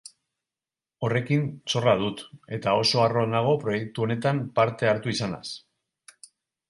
Horrekin zorra dut, eta oso harro nago proiektu honetan parte hartu izanaz.